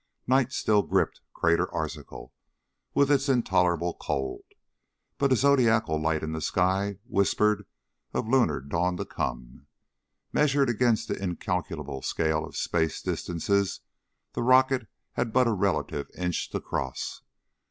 Night still gripped Crater Arzachel with its intolerable cold, but a zodiacal light in the sky whispered of a lunar dawn to come. Measured against the incalculable scale of space distances the rocket had but a relative inch to cross.